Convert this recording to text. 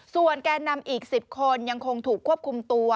ส่วนแก่นำอีก๑๐คนยังคงถูกควบคุมตัว